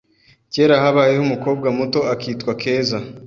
Kera habayeho umukobwa muto akitwa Keza